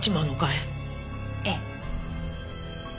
ええ。